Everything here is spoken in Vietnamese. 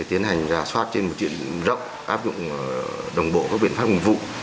tiến hành ra soát trên một chuyện rộng áp dụng đồng bộ có biện pháp hùng vụ